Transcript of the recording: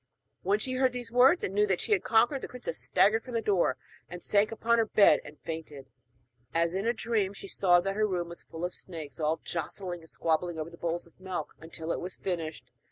When she heard these words and knew that she had conquered, the princess staggered from the door, and sank upon her bed and fainted. As in a dream, she saw that her room was full of snakes, all jostling and squabbling over the bowls of milk until it was finished.